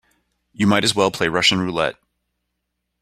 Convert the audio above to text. You might as well play Russian roulette.